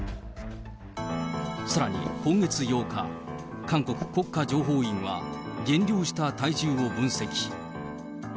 さらに今月８日、韓国国家情報院は減量した体重を分析。